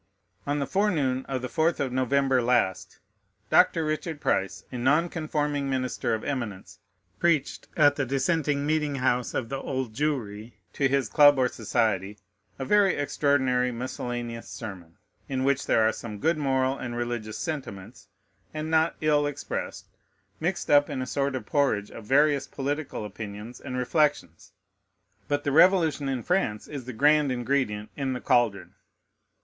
On the forenoon of the fourth of November last, Doctor Richard Price, a Non Conforming minister of eminence, preached at the Dissenting meeting house of the Old Jewry, to his club or society, a very extraordinary miscellaneous sermon, in which there are some good moral and religious sentiments, and not ill expressed, mixed up with a sort of porridge of various political opinions and reflections: but the Revolution in France is the grand ingredient in the caldron.